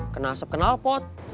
kena asap kena pot